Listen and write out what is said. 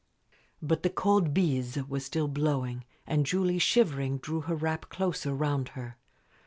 But the cold bise was still blowing, and Julie, shivering, drew her wrap closer round her.